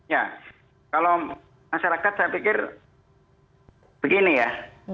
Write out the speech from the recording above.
ya kalau masyarakat saya pikir begini ya